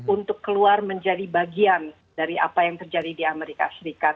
untuk keluar menjadi bagian dari apa yang terjadi di amerika serikat